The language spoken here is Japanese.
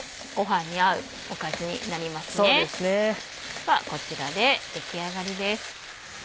ではこちらで出来上がりです。